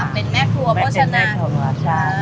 เป็นแม่ครัวโภชนา